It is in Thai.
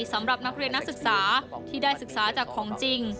สำหรับนักเรียนนักศึกษาที่ได้ศึกษาจากของจริง